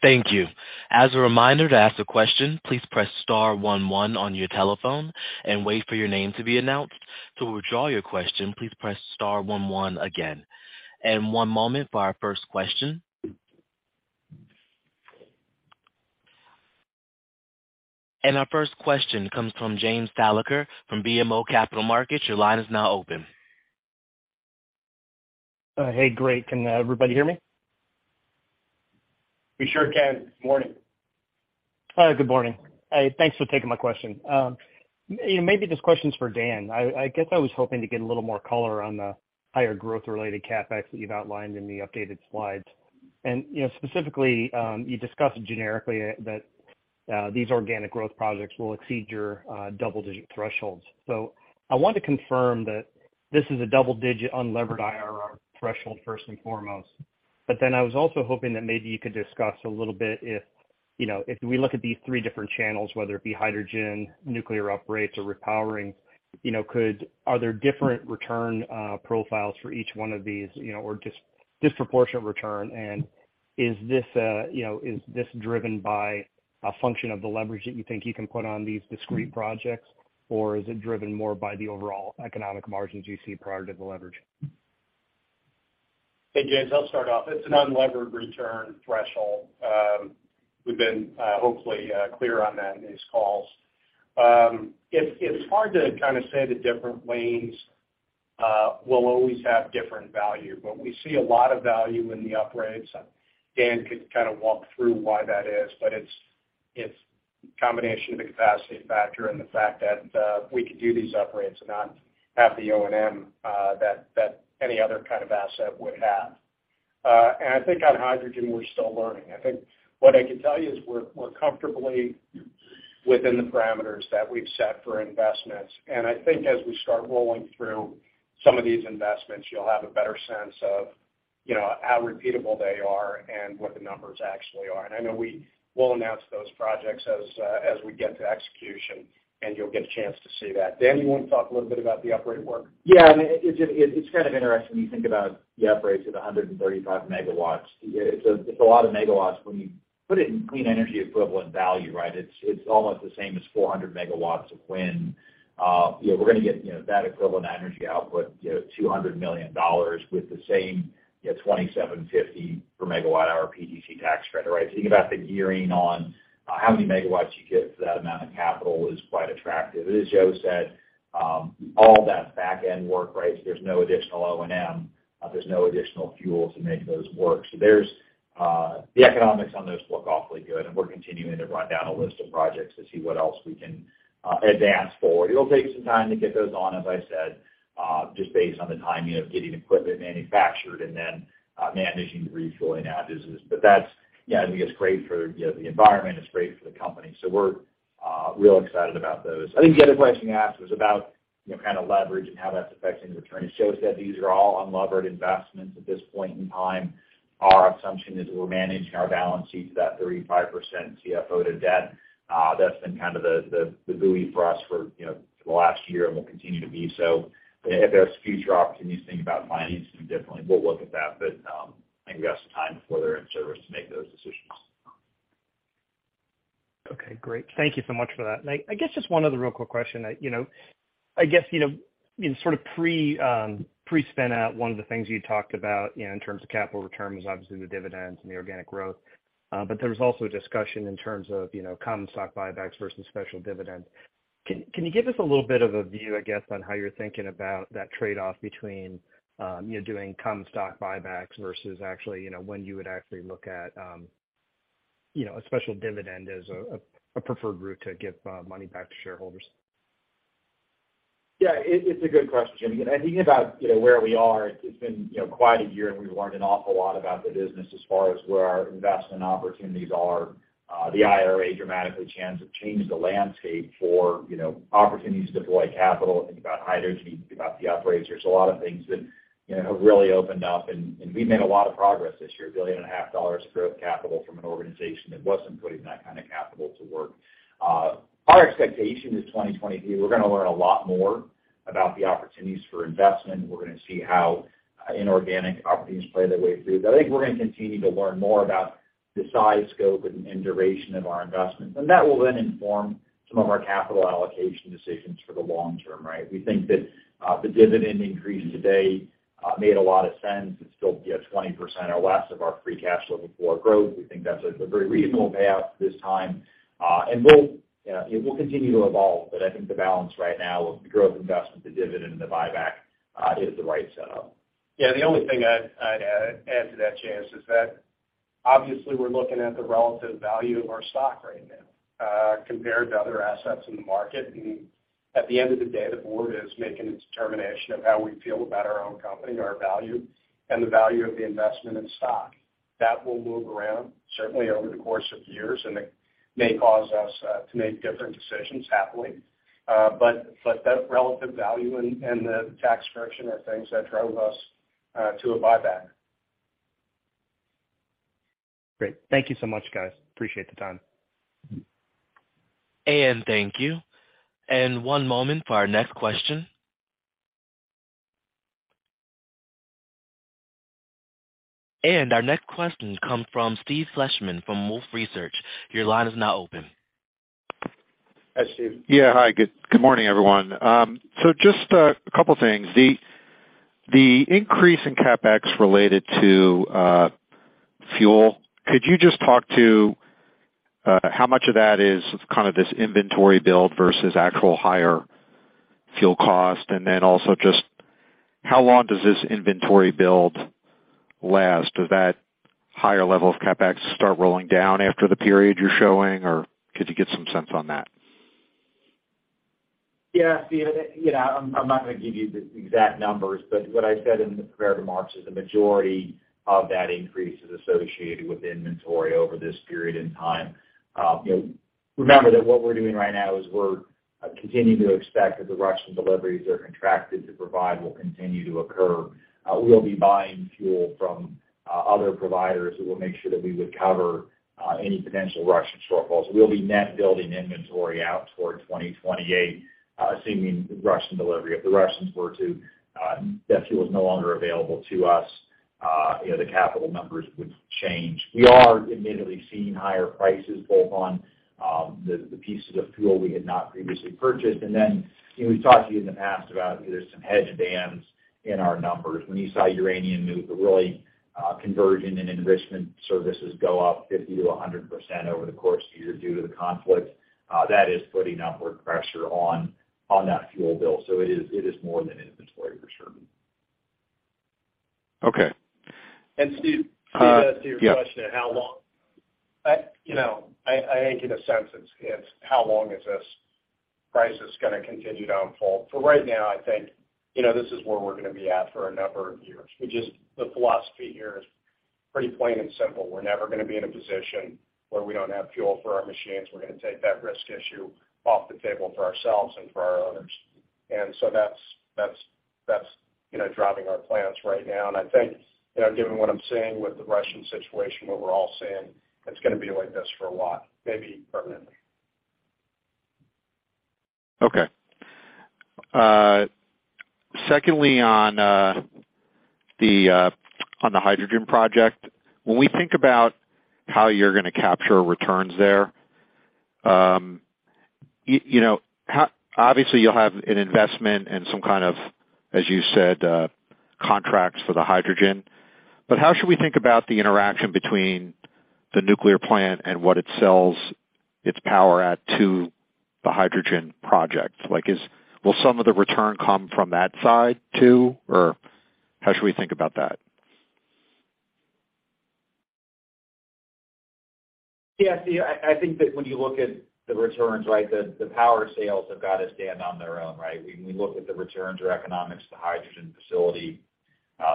Thank you. As a reminder, to ask a question, please press star one one on your telephone and wait for your name to be announced. To withdraw your question, please press star one one again. One moment for our first question. Our first question comes from James Thalacker from BMO Capital Markets. Your line is now open. Hey. Great. Can everybody hear me? We sure can. Morning. Good morning. Thanks for taking my question. You know, maybe this question's for Dan. I guess I was hoping to get a little more color on the higher growth-related CapEx that you've outlined in the updated slides. You know, specifically, you discussed generically that these organic growth projects will exceed your double-digit thresholds. I want to confirm that this is a double-digit unlevered IRR threshold, first and foremost. I was also hoping that maybe you could discuss a little bit if, you know, if we look at these three different channels, whether it be hydrogen, nuclear upgrades or repowering, you know, are there different return profiles for each one of these, you know, or disproportionate return? Is this, you know, is this driven by a function of the leverage that you think you can put on these discrete projects, or is it driven more by the overall economic margins you see prior to the leverage? Hey, James, I'll start off. It's an unlevered return threshold. We've been, hopefully, clear on that in these calls. It's, it's hard to kind of say the different lanes will always have different value, but we see a lot of value in the upgrades. Dan could kind of walk through why that is, but it's combination of the capacity factor and the fact that we could do these upgrades and not have the O&M that any other kind of asset would have. I think on hydrogen, we're still learning. I think what I can tell you is we're comfortably within the parameters that we've set for investments. I think as we start rolling through some of these investments, you'll have a better sense of, you know, how repeatable they are and what the numbers actually are. I know we will announce those projects as we get to execution, and you'll get a James to see that. Dan, you want to talk a little bit about the upgrade work? Yeah. I mean, it's kind of interesting when you think about the upgrades of 135 MWs. It's a lot of MWs. When you put it in clean energy equivalent value, right, it's almost the same as 400 MWs of wind. You know, we're gonna get, you know, that equivalent energy output, you know, $200 million with the same, you know, $27.50 per megawatt hour PTC tax credit, right? Thinking about the gearing on how many MWs you get for that amount of capital is quite attractive. As Joe said, all that backend work, right? There's no additional O&M. There's no additional fuel to make those work. There's the economics on those look awfully good, and we're continuing to run down a list of projects to see what else we can advance forward. It'll take some time to get those on, as I said, just based on the timing of getting equipment manufactured and then managing the refueling outages. That's, yeah, I think it's great for, you know, the environment. It's great for the company. We're real excited about those. I think the other question you asked was about, you know, kind of leverage and how that's affecting the return. As Joe said, these are all unlevered investments at this point in time. Our assumption is we're managing our balance sheet to that 35% CFO to Debt. That's been kind of the buoy for us for, you know, the last year and will continue to be so. If there's future opportunities to think about financing, definitely we'll look at that, but I think we have some time before they're in service to make those decisions. Okay. Great. Thank you so much for that. I guess just one other real quick question. You know, I guess, you know, in sort of pre-spin out, one of the things you talked about, you know, in terms of capital returns, obviously the dividends and the organic growth. There was also a discussion in terms of, you know, common stock buybacks versus special dividends. Can you give us a little bit of a view, I guess, on how you're thinking about that trade-off between, you know, doing common stock buybacks versus actually, you know, when you would actually look at, you know, a special dividend as a preferred route to give money back to shareholders? It's a good question, James. You know, thinking about, you know, where we are, it's been, you know, quite a year, and we've learned an awful lot about the business as far as where our investment opportunities are. The IRA dramatically changed the landscape for, you know, opportunities to deploy capital. Think about hydrogen. Think about the upgrades. There's a lot of things that, you know, have really opened up, and we've made a lot of progress this year. A billion and a half dollars of growth capital from an organization that wasn't putting that kind of capital to work. Our expectation is 2023, we're gonna learn a lot more about the opportunities for investment. We're gonna see how inorganic opportunities play their way through. I think we're gonna continue to learn more about the size, scope, and duration of our investments. That will then inform some of our capital allocation decisions for the long term, right? We think that the dividend increase today made a lot of sense. It's still, you know, 20% or less of our free cash flow before growth. We think that's a very reasonable payout at this time. We'll it will continue to evolve, but I think the balance right now of the growth investment, the dividend, and the buyback is the right setup. Yeah. The only thing I'd add to that, Chance, is that obviously we're looking at the relative value of our stock right now, compared to other assets in the market. At the end of the day, the board is making its determination of how we feel about our own company or our value and the value of the investment in stock. That will move around certainly over the course of years, and it may cause us to make different decisions happily. But the relative value and the tax friction are things that drove us to a buyback. Great. Thank you so much, guys. Appreciate the time. James, thank you. One moment for our next question. Our next question comes from Steve Fleishman from Wolfe Research. Your line is now open. Hi, Steve. Yeah. Hi. Good morning, everyone. Just a couple things. The increase in CapEx related to fuel, could you just talk to how much of that is kind of this inventory build versus actual higher fuel cost? Also just how long does this inventory build last? Does that higher level of CapEx start rolling down after the period you're showing, or could you get some sense on that? Yeah. Steve, you know, I'm not gonna give you the exact numbers, but what I said in the prepared remarks is the majority of that increase is associated with inventory over this period in time. You know, remember that what we're doing right now is we're continuing to expect that the Russian deliveries that are contracted to provide will continue to occur. We'll be buying fuel from other providers who will make sure that we would cover any potential Russian shortfalls. We'll be net building inventory out toward 2028, assuming Russian delivery. If the Russians were to that fuel is no longer available to us, you know, the capital numbers would change. We are admittedly seeing higher prices both on the pieces of fuel we had not previously purchased. You know, we've talked to you in the past about, you know, some hedge bands in our numbers. When you saw uranium move, really, conversion and enrichment services go up 50%-100% over the course of the year due to the conflict, that is putting upward pressure on that fuel bill. It is more than inventory for sure. Okay. And Steve. Yeah. To your question of how long, you know, I think in a sense it's how long is this crisis gonna continue to unfold. For right now, I think, you know, this is where we're gonna be at for a number of years. The philosophy here is pretty plain and simple. We're never gonna be in a position where we don't have fuel for our machines. We're gonna take that risk issue off the table for ourselves and for our owners. That's, you know, driving our plans right now. I think, you know, given what I'm seeing with the Russian situation, what we're all seeing, it's gonna be like this for a while, maybe permanently. Okay. Secondly on the hydrogen project, when we think about how you're gonna capture returns there, you know, how obviously you'll have an investment and some kind of, as you said, contracts for the hydrogen. How should we think about the interaction between the nuclear plant and what it sells its power at to the hydrogen project? Like, will some of the return come from that side too, or how should we think about that? Steve, I think that when you look at the returns, right, the power sales have got to stand on their own, right? When we look at the returns or economics of the hydrogen facility,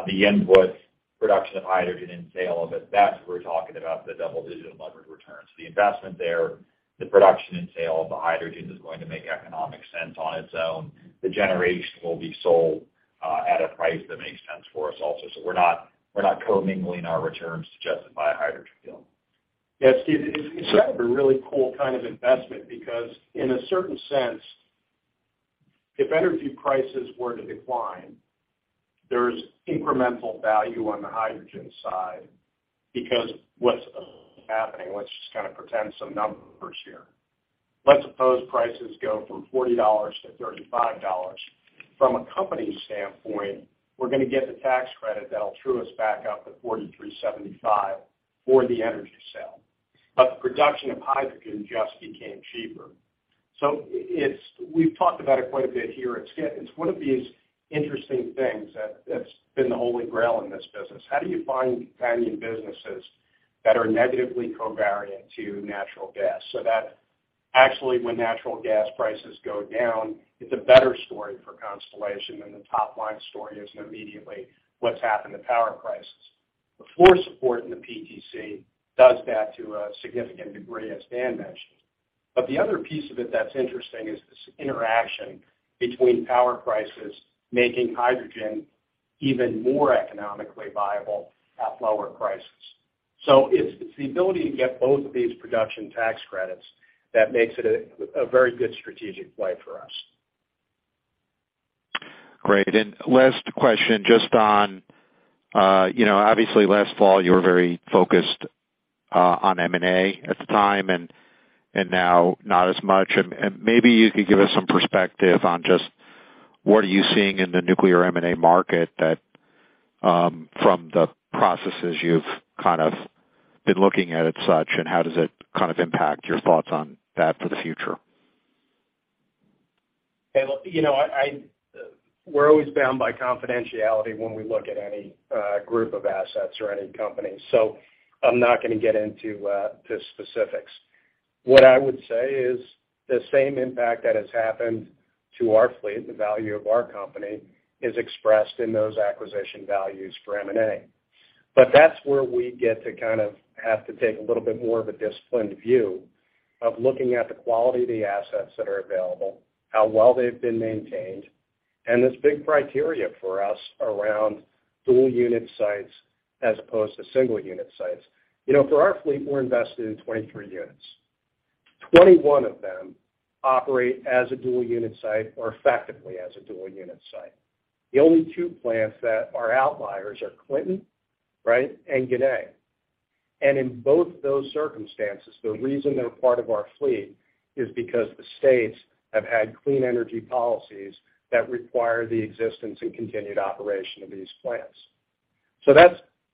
the input production of hydrogen and sale of it, that's we're talking about the double-digit and leverage returns. The investment there, the production and sale of the hydrogen is going to make economic sense on its own. The generation will be sold at a price that makes sense for us also. We're not co-mingling our returns suggested by a hydrogen deal. Steve, it's a really cool kind of investment because in a certain sense, if energy prices were to decline, there's incremental value on the hydrogen side because what's happening, let's just kind of pretend some numbers here. Let's suppose prices go from $40 to $35. From a company standpoint, we're gonna get the tax credit that'll true us back up to $43.75 for the energy sale. The production of hydrogen just became cheaper. We've talked about it quite a bit here at site. It's one of these interesting things that's been the holy grail in this business. How do you find companion businesses that are negatively covariant to natural gas? That actually when natural gas prices go down, it's a better story for Constellation than the top line story isn't immediately what's happened to power prices. The floor support in the PTC does that to a significant degree, as Dan mentioned. The other piece of it that's interesting is this interaction between power prices making hydrogen even more economically viable at lower prices. It's the ability to get both of these production tax credits that makes it a very good strategic play for us. Great. Last question, just on, you know, obviously last fall you were very focused, on M&A at the time, and now not as much. Maybe you could give us some perspective on just what are you seeing in the nuclear M&A market that, from the processes you've kind of been looking at as such, and how does it kind of impact your thoughts on that for the future? Hey, look, you know, we're always bound by confidentiality when we look at any group of assets or any company. I'm not gonna get into the specifics. What I would say is the same impact that has happened to our fleet, the value of our company, is expressed in those acquisition values for M&A. That's where we get to kind of have to take a little bit more of a disciplined view of looking at the quality of the assets that are available, how well they've been maintained, and this big criteria for us around dual-unit sites as opposed to single-unit sites. You know, for our fleet, we're invested in 23 units. 21 of them operate as a dual-unit site or effectively as a dual-unit site. The only two plants that are outliers are Clinton, right, and Ginna. In both those circumstances, the reason they're part of our fleet is because the states have had clean energy policies that require the existence and continued operation of these plants.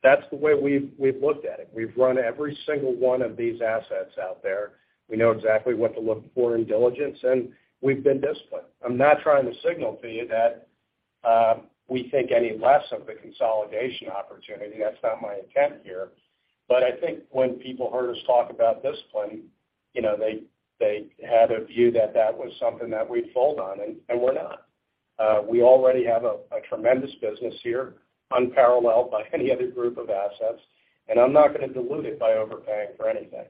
That's the way we've looked at it. We've run every single one of these assets out there. We know exactly what to look for in diligence, and we've been disciplined. I'm not trying to signal to you that we think any less of the consolidation opportunity. That's not my intent here. I think when people heard us talk about discipline, you know, they had a view that that was something that we'd fold on, and we're not. We already have a tremendous business here, unparalleled by any other group of assets, and I'm not gonna dilute it by overpaying for anything.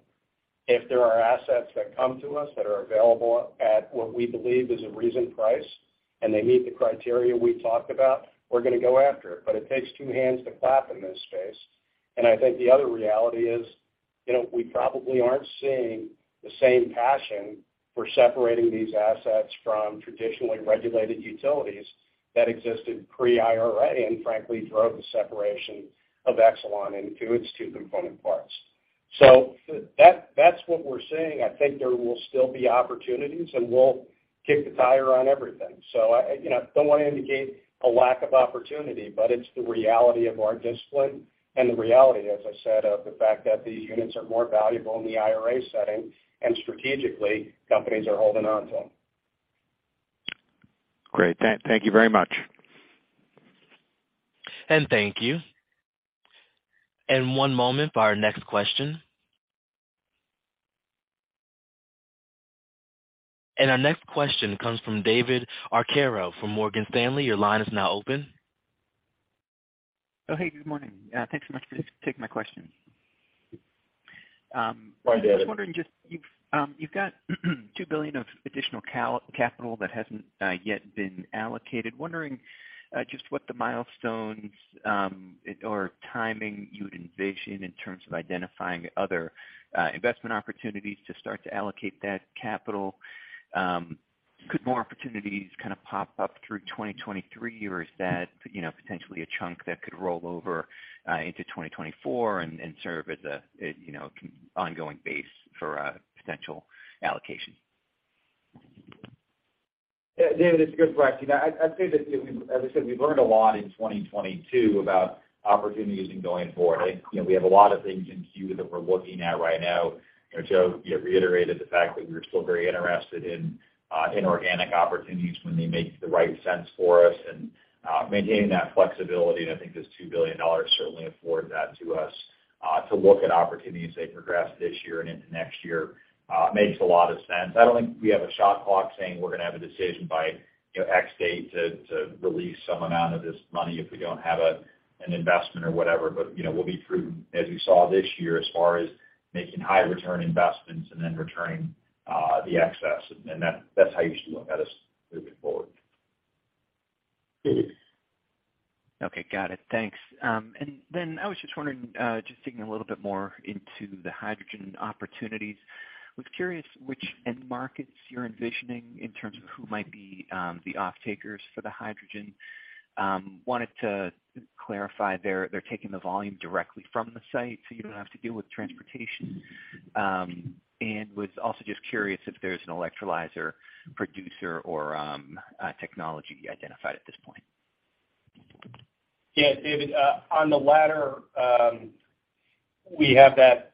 If there are assets that come to us that are available at what we believe is a reasonable price and they meet the criteria we talked about, we're gonna go after it. It takes two hands to clap in this space. I think the other reality is, you know, we probably aren't seeing the same passion for separating these assets from traditionally regulated utilities that existed pre-IRA and frankly drove the separation of Exelon into its two component parts. That, that's what we're seeing. I think there will still be opportunities, and we'll kick the tire on everything. I, you know, don't wanna indicate a lack of opportunity, but it's the reality of our discipline and the reality, as I said, of the fact that these units are more valuable in the IRA setting, and strategically, companies are holding on to them. Great. Thank you very much. Thank you. One moment for our next question. Our next question comes from David Arcaro from Morgan Stanley. Your line is now open. Hey, good morning. Thanks so much for taking my question. Hi, David. I was wondering just you've got $2 billion of additional capital that hasn't yet been allocated. Wondering just what the milestones or timing you'd envision in terms of identifying other investment opportunities to start to allocate that capital. Could more opportunities kind of pop up through 2023 or is that, you know, potentially a chunk that could roll over into 2024 and serve as a, you know, ongoing base for a potential allocation? Yeah, David, it's a good question. I'd say that, you know, as I said, we've learned a lot in 2022 about opportunities in going forward. You know, we have a lot of things in queue that we're looking at right now. You know, Joe, you know, reiterated the fact that we're still very interested in inorganic opportunities when they make the right sense for us and maintaining that flexibility. I think this $2 billion certainly affords that to us to look at opportunities as they progress this year and into next year, makes a lot of sense. I don't think we have a shot clock saying we're gonna have a decision by, you know, ZECs date to release some amount of this money if we don't have an investment or whatever. You know, we'll be prudent as we saw this year as far as making high return investments and then returning the excess. And that's how you should look at us moving forward. Okay. Got it. Thanks. Then I was just wondering, just digging a little bit more into the hydrogen opportunities. Was curious which end markets you're envisioning in terms of who might be the offtakers for the hydrogen. Wanted to clarify they're taking the volume directly from the site, so you don't have to deal with transportation. Was also just curious if there's an electrolyzer producer or technology identified at this point. Yeah, David, on the latter, we have that,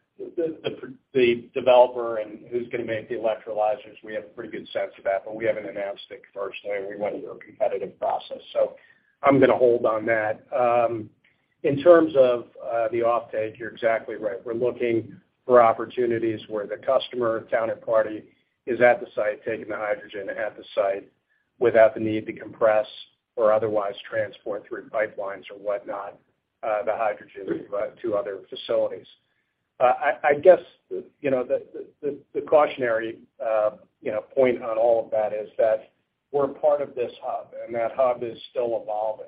the developer and who's gonna make the electrolyzers, we have a pretty good sense of that, we haven't announced it firstly, and we went through a competitive process. I'm gonna hold on that. In terms of the offtake, you're exactly right. We're looking for opportunities where the customer or counterparty is at the site, taking the hydrogen at the site without the need to compress or otherwise transport through pipelines or whatnot, the hydrogen to other facilities. I guess, you know, the cautionary, you know, point on all of that is that we're part of this hub, that hub is still evolving.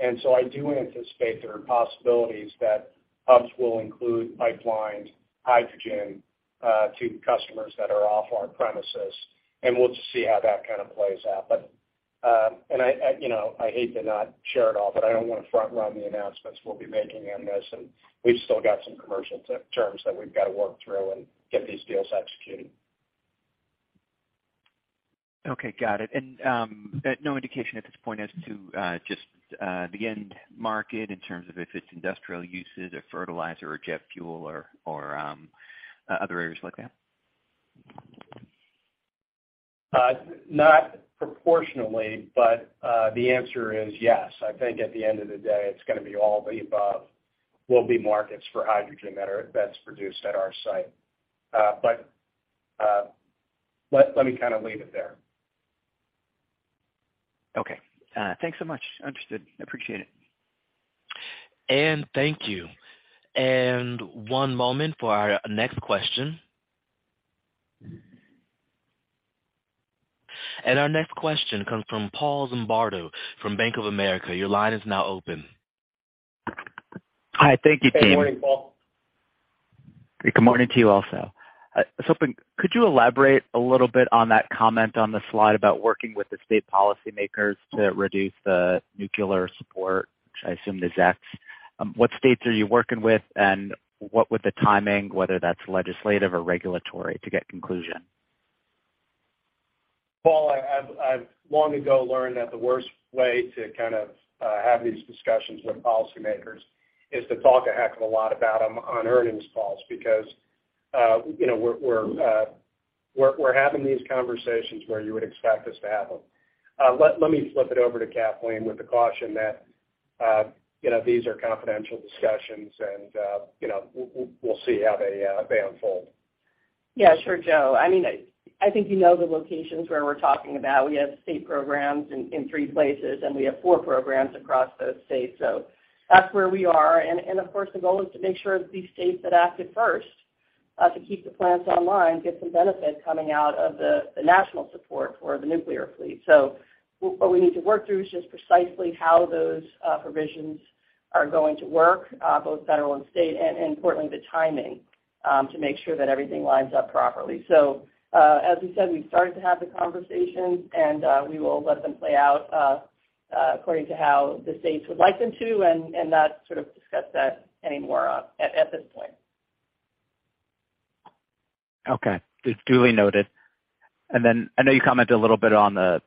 I do anticipate there are possibilities that hubs will include pipeline hydrogen to customers that are off our premises, and we'll just see how that kind of plays out. I, you know, I hate to not share it all, but I don't wanna front run the announcements we'll be making on this. We've still got some commercial terms that we've gotta work through and get these deals executed. Okay, got it. No indication at this point as to, just, the end market in terms of if it's industrial uses or fertilizer or jet fuel or other areas like that? Not proportionally, but the answer is yes. I think at the end of the day, it's gonna be all the above will be markets for hydrogen that's produced at our site. Let me kind of leave it there. Okay. Thanks so much. Understood. Appreciate it. Thank you. One moment for our next question. Our next question comes from Shar Pourreza from Bank of America. Your line is now open. Hi. Thank you, team. Good morning, Shar. Good morning to you also. Could you elaborate a little bit on that comment on the slide about working with the state policymakers to reduce the nuclear support, which I assume is X? What states are you working with, and what would the timing, whether that's legislative or regulatory, to get conclusion? Shar, I've long ago learned that the worst way to kind of, have these discussions with policymakers is to talk a heck of a lot about them on earnings calls because, you know, we're having these conversations where you would expect us to have them. Let me flip it over to Kathleen with the caution that, you know, these are confidential discussions and, you know, we'll see how they unfold. Yeah, sure, Joe. I mean, I think you know the locations where we're talking about. We have state programs in three places, and we have four programs across those states. That's where we are. Of course, the goal is to make sure that these states that acted first, to keep the plants online, get some benefit coming out of the national support for the nuclear fleet. What we need to work through is just precisely how those provisions are going to work, both federal and state, and importantly, the timing, to make sure that everything lines up properly. As we said, we've started to have the conversations, and we will let them play out, according to how the states would like them to, and not sort of discuss that anymore, at this point. Okay. It's duly noted. I know you commented a little bit on the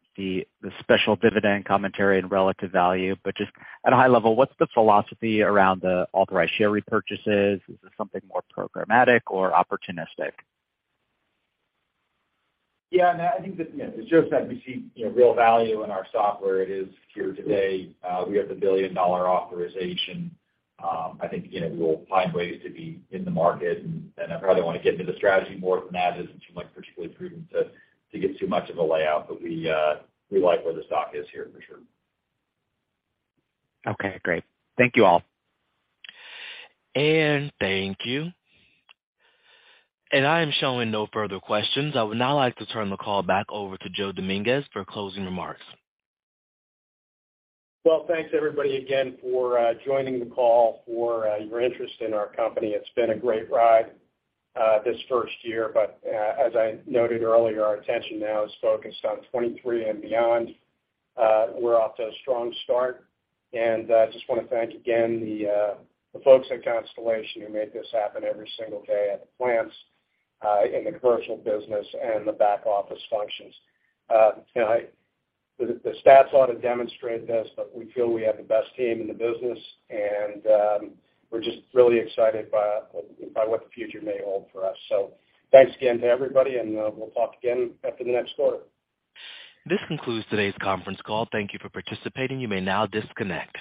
special dividend commentary and relative value, just at a high level, what's the philosophy around the authorized share repurchases? Is this something more programmatic or opportunistic? Yeah, no, I think that, you know, it's just that we see, you know, real value in our software. It is here today. We have the $1 billion authorization. I think, again, we will find ways to be in the market, and I probably don't wanna get into the strategy more than that as it's not like particularly prudent to give too much of a layout. We like where the stock is here, for sure. Okay. Great. Thank you all. Thank you. I am showing no further questions. I would now like to turn the call back over to Joseph Dominguez for closing remarks. Well, thanks everybody again for joining the call, for your interest in our company. It's been a great ride, this first year, but as I noted earlier, our attention now is focused on 23 and beyond. We're off to a strong start. Just wanna thank again the folks at Constellation who make this happen every single day at the plants, in the commercial business and the back office functions. You know, the stats ought to demonstrate this, but we feel we have the best team in the business, and we're just really excited by what the future may hold for us. Thanks again to everybody, and we'll talk again after the next quarter. This concludes today's conference call. Thank you for participating. You may now disconnect.